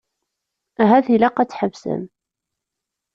Ahat ilaq ad tḥebsem.